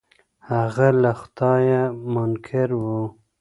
هغه له خدايه منکر و.